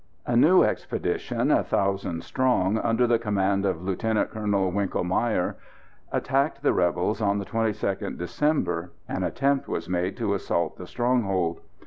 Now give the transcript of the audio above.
A new expedition, a thousand strong, under the command of Lieut. Colonel Winckel Meyer, attacked the rebels on the 22nd December. An attempt was made to assault the stronghold.